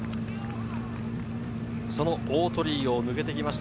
大鳥居を抜けてきました。